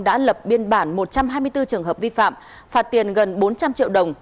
đã lập biên bản một trăm hai mươi bốn trường hợp vi phạm phạt tiền gần bốn trăm linh triệu đồng